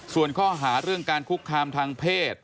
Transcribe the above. ส่วนข้อหาเรื่องการคุกคามทางเพศ